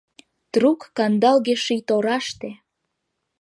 Трук кандалге-ший тораште